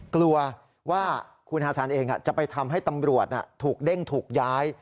กลัวว่าคุณฮาซันเองจะไปทำให้ตำรวจถูกเด้งถูกย้าย